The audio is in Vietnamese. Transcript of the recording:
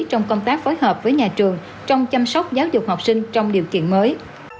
trong công tác phối hợp với nhà trường trong chăm sóc giáo dục học sinh trong điều kiện mới